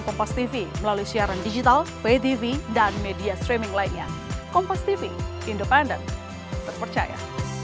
kompas tv melalui siaran digital ptv dan media streaming lainnya kompas tv independent percaya